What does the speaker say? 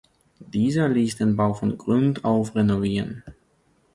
Dieser ließ den Bau von Grund auf renovieren.